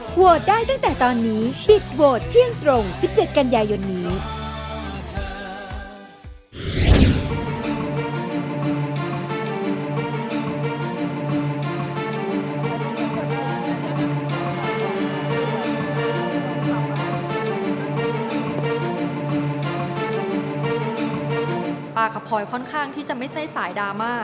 ป่าขับปลอยค่อนข้างที่จะไม่ใส่สายดราม่า